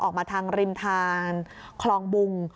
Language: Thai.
ออกมาทางริมทางคลองบุง